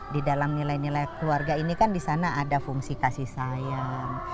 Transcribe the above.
di dalam nilai nilai keluarga ini kan di sana ada fungsi kasih sayang